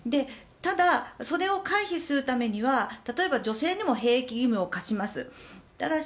ただ、それを回避するためには例えば女性にも兵役義務を課しますと。